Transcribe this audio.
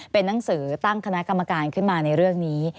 เป็นหนังสือตั้งคณะกรรมการขึ้นมาในเรื่องนี้